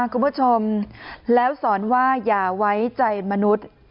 คุณผู้ชมแล้วสอนว่าอย่าไว้ใจมนุษย์